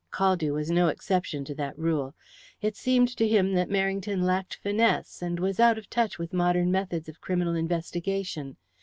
Caldew was no exception to that rule. It seemed to him that Merrington lacked finesse, and was out of touch with modern methods of criminal investigation.